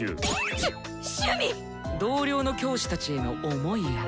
しゅ趣味⁉同僚の教師たちへの思いやら。